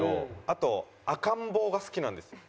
あと赤ん坊が好きなんですよ。